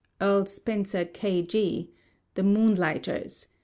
"Earl Spencer, K.G." "The Moonlighters."